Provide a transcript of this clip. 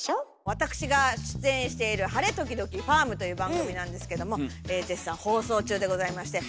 わたくしが出演している「晴れ、ときどきファーム！」という番組なんですけども絶賛放送中でございまして。